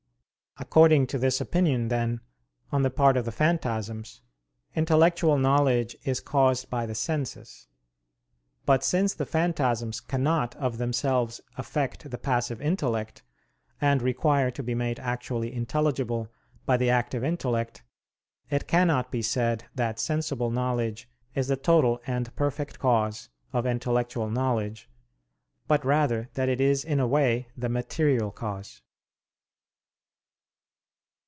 According to this opinion, then, on the part of the phantasms, intellectual knowledge is caused by the senses. But since the phantasms cannot of themselves affect the passive intellect, and require to be made actually intelligible by the active intellect, it cannot be said that sensible knowledge is the total and perfect cause of intellectual knowledge, but rather that it is in a way the material cause.